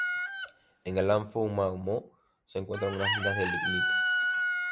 En el Amphoe Mae Mo se encuentran unas minas de lignito.